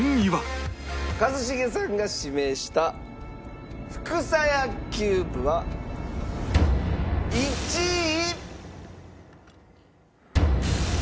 一茂さんが指名したフクサヤキューブは１位。